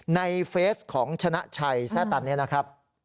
ในเฟซของชนะชัยแซ่ตันนี่นะครับ